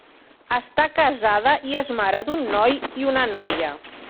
Està casada i és mare d'un noi i una noia.